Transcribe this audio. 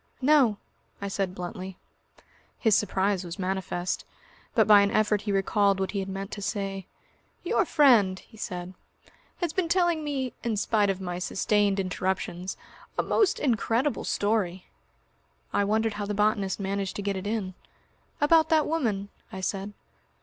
"No," I said bluntly. His surprise was manifest. But by an effort he recalled what he had meant to say. "Your friend," he said, "has been telling me, in spite of my sustained interruptions, a most incredible story." I wondered how the botanist managed to get it in. "About that woman?" I said.